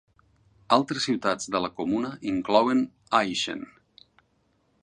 Altres ciutats de la comuna inclouen Eischen.